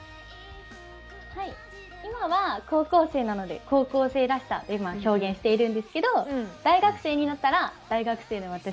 今は高校生なので高校生らしさを表現してるんですけど大学生になったら、大学生の私。